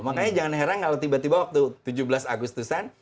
makanya jangan heran kalau tiba tiba waktu tujuh belas agustusan